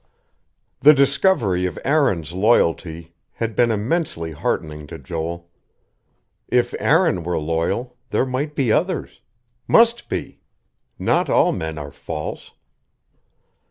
XV The discovery of Aaron's loyalty had been immensely heartening to Joel. If Aaron were loyal, there might be others.... Must be.... Not all men are false....